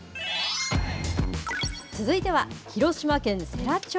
続いては広島県世羅町。